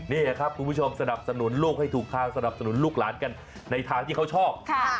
นี่ครับคุณผู้ชมสนับสนุนลูกให้ถูกทางสนับสนุนลูกหลานกันในทางที่เขาชอบ